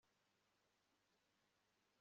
singishobora kubyihanganira